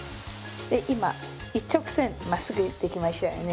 今一直線まっすぐ行ってきましたよね。